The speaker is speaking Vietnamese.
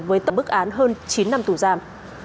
với tổng bức án hơn chín năm tù giam